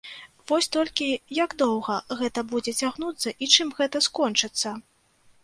Вось толькі як доўга гэта будзе цягнуцца і чым гэта скончыцца?